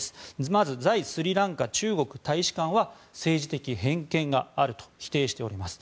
まず、在スリランカ中国大使館は政治的偏見があると否定しております。